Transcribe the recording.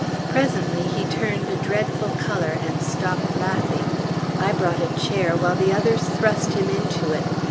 Presently he turned a dreadful color, and stopped laughing. I brought a chair, while the others thrust him into it.